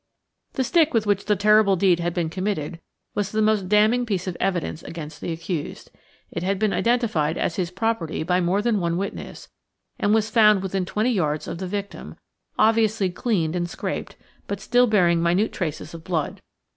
The stick with which the terrible deed had been committed was the most damning piece of evidence against the accused. It had been identified as his property by more than one witness, and was found within twenty yards of the victim, obviously cleaned and scraped, but still bearing minute traces of blood.